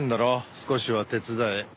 少しは手伝え。